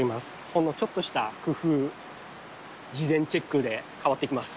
ほんのちょっとした工夫、事前チェックで変わってきます。